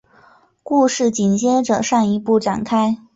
故事紧接着上一部展开。